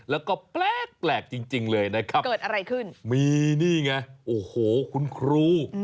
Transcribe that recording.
แล้วก็แปลกจริงเลยนะครับมีนี่ไงโอ้โหขุนครู